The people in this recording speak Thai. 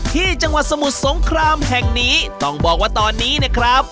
ที่จังหวัดสมุทรสงครามแห่งนี้ต้องบอกว่าตอนนี้เนี่ยครับ